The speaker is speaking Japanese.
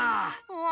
わ。